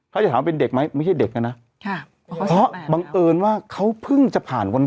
เขาจะถามว่าเป็นเด็กไหมไม่ใช่เด็กอะนะค่ะเพราะเขาสิบแปดแล้ว